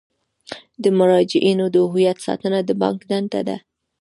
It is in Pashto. د مراجعینو د هویت ساتنه د بانک دنده ده.